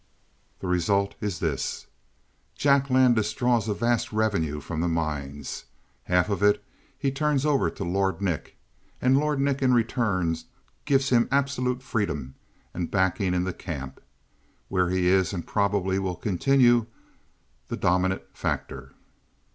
"The result is this: Jack Landis draws a vast revenue from the mines. Half of it he turns over to Lord Nick, and Lord Nick in return gives him absolute freedom and backing in the camp, where he is, and probably will continue the dominant factor.